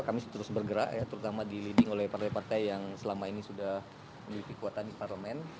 kami terus bergerak ya terutama di leading oleh partai partai yang selama ini sudah memiliki kekuatan di parlemen